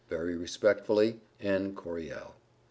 Very respectfully, N. CORYELL.